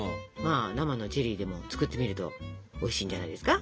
生のチェリーでも作ってみるとおいしいんじゃないですか？